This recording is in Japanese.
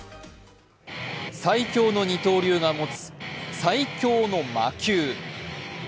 最強の二刀流が持つ最強の魔球。